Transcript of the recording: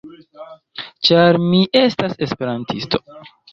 Ĉar mi estas esperantisto.